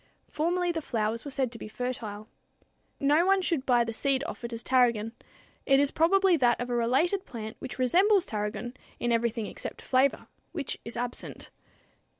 Formerly the flowers were said to be fertile. No one should buy the seed offered as tarragon. It is probably that of a related plant which resembles tarragon in everything except flavor which is absent!